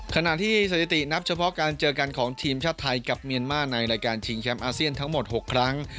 ขณะที่สถิตินับเฉพาะการเจอกันของทีมชาติไทยกับเมียนมาร์ในรายการชิงแชมป์อาเซียนทั้งหมด๖ครั้ง